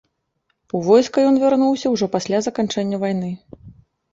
У войска ён вярнуўся ўжо пасля заканчэння вайны.